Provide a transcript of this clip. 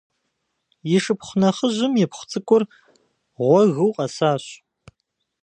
И шыпхъу нэхъыжьым ипхъу цӏыкӏур гъуэгыу къэсащ.